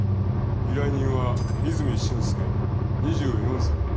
依頼人は泉駿介２４歳。